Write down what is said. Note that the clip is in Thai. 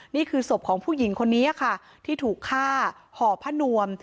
นี่คือศพของผู้หญิงคนนี้ค่ะที่ถูกฆ่าห่อผ้านวม